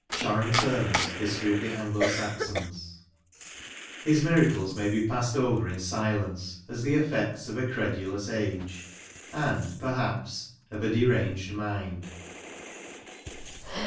— Sharon Turners ^'History of the Anglo Saxons" His miracles may be passed over in silence, as the effects of a credulous age, and, perhaps, of a deranged mind.